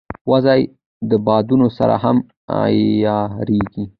وزې د بادونو سره هم عیارېږي